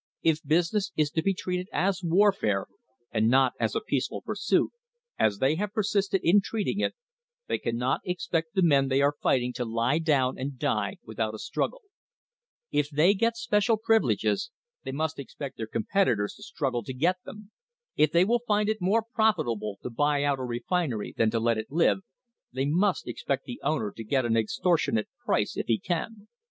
If business is to be treated as warfare and not as a peace ful pursuit, as they have persisted in treating it, they cannot expect the men they are fighting to lie down and die without a struggle. If they get special privileges they must expect their THE HISTORY OF THE STANDARD OIL COMPANY competitors to struggle to get them. If they will find it more profitable to buy out a refinery than to let it live, they must expect the owner to get an extortionate price if he can.